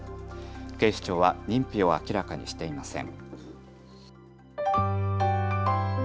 警視庁は認否を明らかにしていません。